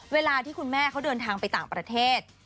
เวลาที่คุณแม่เขาเดินทางไปต่างประเทศ